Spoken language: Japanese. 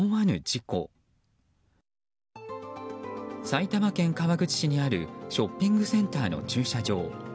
埼玉県川口市にあるショッピングセンターの駐車場。